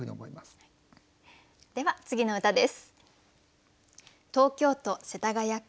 では次の歌です。